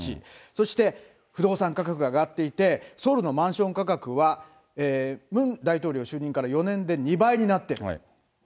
そして不動産価格が上がっていて、ソウルのマンション価格は、ムン大統領就任から４年で２倍になってる。